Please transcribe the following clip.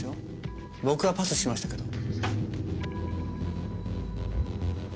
僕はパスしましたけど。